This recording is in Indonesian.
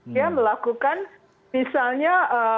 dia melakukan misalnya